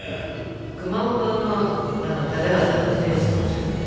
熊本の方々のセンスが面白いんだよ。